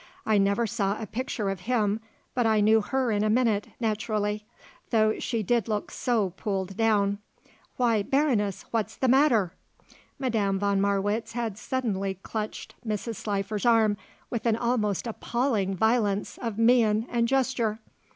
I never saw a picture of him, but I knew her in a minute, naturally, though she did look so pulled down. Why, Baroness what's the matter!" Madame von Marwitz had suddenly clutched Mrs. Slifer's arm with an almost appalling violence of mien and gesture.